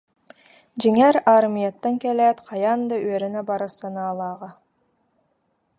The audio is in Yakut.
Дьиҥэр, аармыйаттан кэлээт хайаан да үөрэнэ барар санаалааҕа